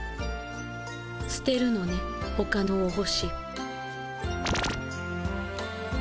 すてるのねほかのお星。